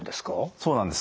そうなんです。